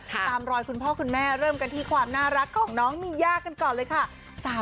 ตามรอยคุณพ่อคุณแม่เริ่มกันที่ความน่ารักของน้องมีย่ากันก่อนเลยค่ะ